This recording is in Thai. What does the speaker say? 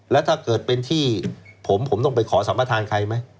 แล้วถ้าเกิดเป็นที่ผมผมต้องไปขอสัมประธานใครไหม